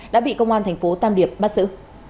đã bị công an thành phố tam điệp bắt giữ